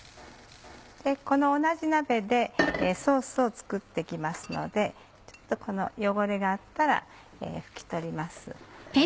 この同じ鍋でソースを作って行きますのでちょっと汚れがあったら拭き取ります。